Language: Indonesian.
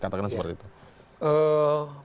katakanlah seperti itu